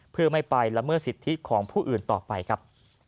เพื่อไม่ไปละเมิดสิทธิของผู้อื่นต่อไปครับ